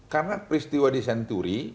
karena peristiwa di century